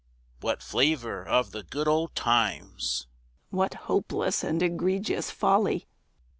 _) What flavour of the good old times! (_What hopeless and egregious folly!